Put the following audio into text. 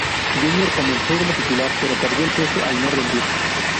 Junior comenzó como titular, pero perdió el puesto al no rendir.